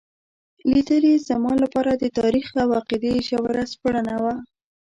لیدل یې زما لپاره د تاریخ او عقیدې ژوره سپړنه وه.